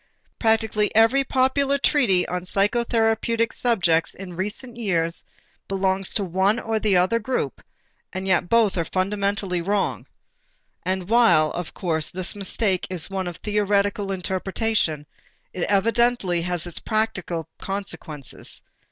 Practically every popular treatise on psychotherapeutic subjects in recent years belongs to the one or the other group; and yet both are fundamentally wrong. And while, of course, this mistake is one of theoretical interpretation, it evidently has its practical consequences.